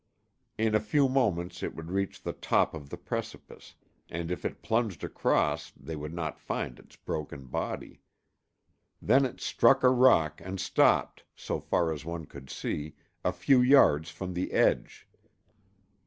In a few moments it would reach the top of the precipice, and if it plunged across they would not find its broken body. Then it struck a rock and stopped, so far as one could see, a few yards from the edge.